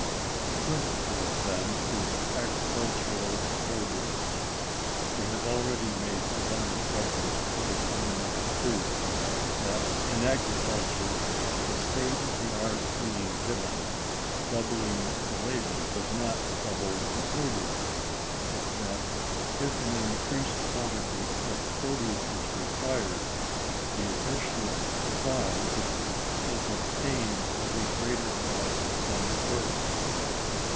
The principal of them is agricultural produce. We have already made abundant reference to the fundamental truth that in agriculture, the state of the art being given, doubling the labor does not double the produce; that, if an increased quantity of produce is required, the additional supply is obtained at a greater cost than the first.